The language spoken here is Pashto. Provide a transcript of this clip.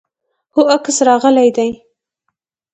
هو، عکس راغلی دی